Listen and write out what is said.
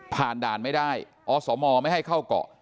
ด่านไม่ได้อสมไม่ให้เข้าเกาะ